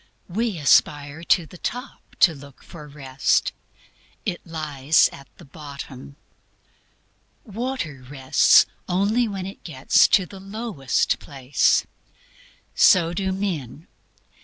We aspire to the top to look for Rest; it lies at the bottom. Water rests only when it gets to the lowest place. So do men.